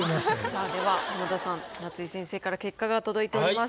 さあでは浜田さん夏井先生から結果が届いております。